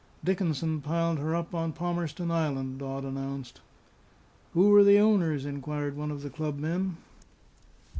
"Dickinson piled her up on Palmerston Island," Dodd announced. "Who were the owners?" inquired one of the club men.